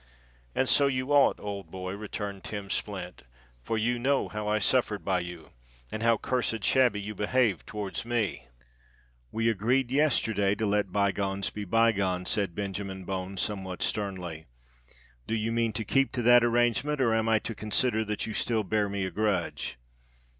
"And so you ought, old boy," returned Tim Splint: "for you know how I suffered by you—and how cursed shabby you behaved towards me." "We agreed yesterday to let bygones be bygones," said Benjamin Bones, somewhat sternly. "Do you mean to keep to that arrangement? or am I to consider that you still bear me a grudge?"